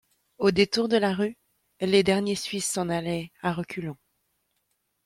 Au détour de la rue, les derniers Suisses s'en allaient à reculons.